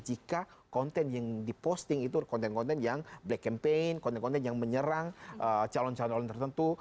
jika konten yang diposting itu konten konten yang black campaign konten konten yang menyerang calon calon tertentu